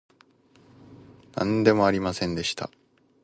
なんでもありませんでした